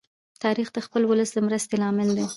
تاریخ د خپل ولس د مرستی لامل دی.